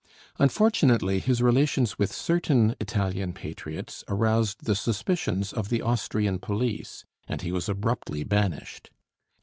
Unfortunately, his relations with certain Italian patriots aroused the suspicions of the Austrian police, and he was abruptly banished.